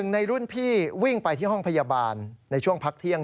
ในรุ่นพี่วิ่งไปที่ห้องพยาบาลในช่วงพักเที่ยง